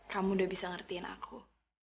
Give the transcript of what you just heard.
kamu sudah bisa mengerti aku